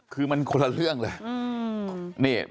คือมันคนละเรื่องเลย